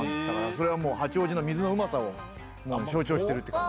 それはもう、八王子の水のうまさをもう象徴してるっていうか。